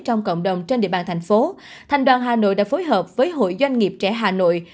trong cộng đồng trên địa bàn thành phố thành đoàn hà nội đã phối hợp với hội doanh nghiệp trẻ hà nội